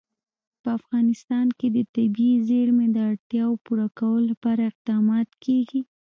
په افغانستان کې د طبیعي زیرمې د اړتیاوو پوره کولو لپاره اقدامات کېږي.